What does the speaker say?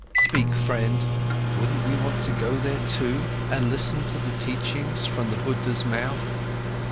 Speak, friend, wouldn't we want to go there too and listen to the teachings from the Buddha's mouth?"